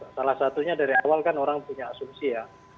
salah satunya dari awal kan orang punya asumsi ya